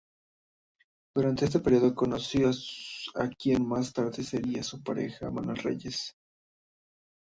Durante ese período conoció a quien más tarde sería su pareja, Manuel Reyes.